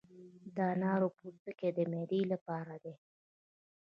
د انار پوستکي د معدې لپاره دي.